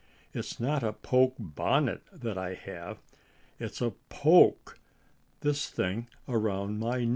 It's not a poke bonnet that I have. It's a poke this thing around my neck."